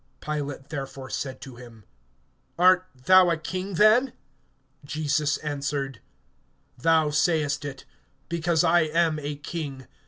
(37)Pilate therefore said to him: Art thou a king then? Jesus answered: Thou sayest it; because I am a king.